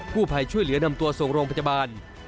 ผู้ภัยช่วยเหลือนำตัวส่งโรงพยาบาล